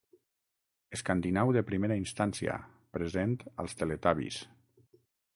Escandinau de primera instància, present als Teletubbies.